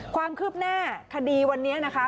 ความคืบหน้าคดีวันนี้นะคะ